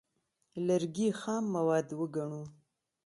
لرګي خام مواد وګڼو.